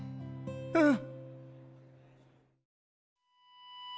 うん。